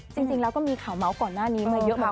จริงแล้วก็มีข่าวเมาส์ก่อนหน้านี้มาเยอะมาก